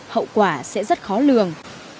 hậu quả sẽ rất khó lường